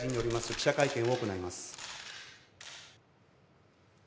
記者会見を行います